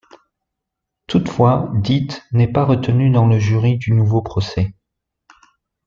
Toutefois, Ditte n'est pas retenue dans le jury du nouveau procès.